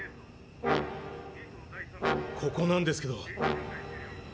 ここなんですけど。